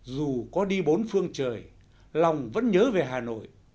dù có đi bốn phương trời lòng vẫn nhớ về hà nội